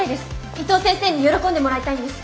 伊藤先生に喜んでもらいたいんです。